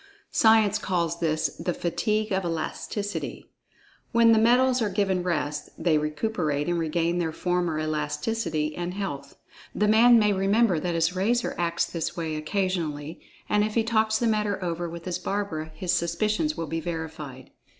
Science calls this the "fatigue of elasticity." When the metals are given rest, they recuperate and regain their former elasticity and health. "The man" may remember that his razor acts this way occasionally—and if he talks the matter over with his barber, his suspicions will be verified.